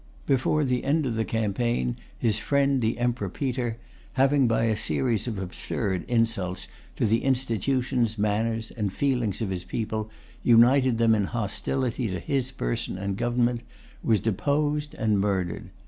Before the end of the campaign, his friend the Emperor Peter, having, by a series of absurd insults to the institutions, manners, and feelings of his people, united them in hostility to his person and government, was deposed and murdered.